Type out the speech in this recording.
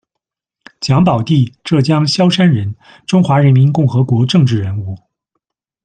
蒋宝娣，浙江萧山人，中华人民共和国政治人物。